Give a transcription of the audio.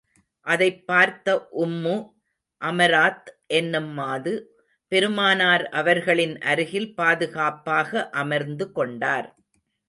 அதைப் பார்த்த Umm Amarat என்னும் மாது, பெருமானார் அவர்களின் அருகில் பாதுகாப்பாக அமர்ந்து கொண்டார்.